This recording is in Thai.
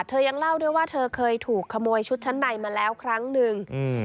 ยังเล่าด้วยว่าเธอเคยถูกขโมยชุดชั้นในมาแล้วครั้งหนึ่งอืม